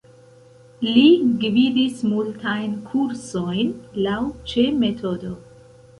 Li gvidis multajn kursojn laŭ Cseh-metodo.